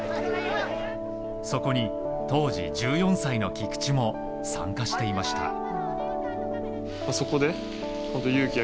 そこに当時１４歳の菊池も参加していました。